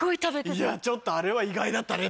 いやちょっとあれは意外だったね